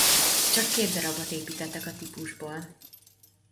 Csak két darabot építettek a típusból.